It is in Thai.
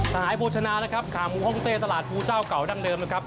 สหายโบชนาขาหมูห้องเต้ตลาดภูเจ้าเข่าดังเดิม